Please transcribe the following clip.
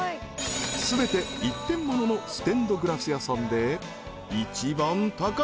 ［全て一点物のステンドグラス屋さんで］